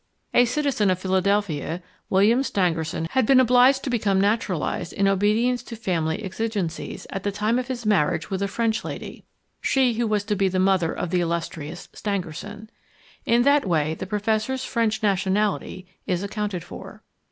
A citizen of Philadelphia, William Stangerson had been obliged to become naturalised in obedience to family exigencies at the time of his marriage with a French lady, she who was to be the mother of the illustrious Stangerson. In that way the professor's French nationality is accounted for.